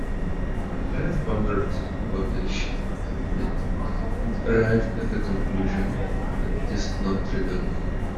I have pondered about the issue a bit and arrived at the conclusion that it is non-trivial.